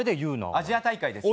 アジア大会です。